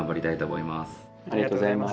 ありがとうございます。